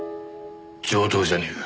上等じゃねえか。